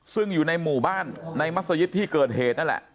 ซึ่งอยู่ในหมู่บ้านในมัศยิตที่เกิดเหตุนั่นแหละ